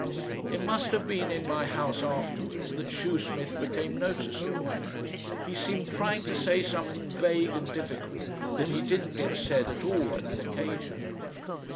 It must have been in my house afterwards that Shoesmith became noticeable. He seemed trying to say something vague and difficult that he didn't get said at all on that occasion.